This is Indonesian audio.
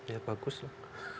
ya bagus lah